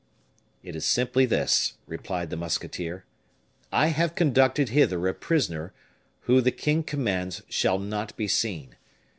"It is simply this," replied the musketeer. "I have conducted hither a prisoner, who the king commands shall not be seen.